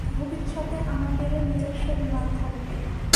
ভবিষ্যতে, আমাদেরও নিজস্ব বিমান থাকবে।